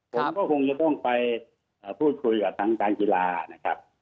ผมก็คงจะต้องไปพูดคุยกับทางการกีฬานะครับ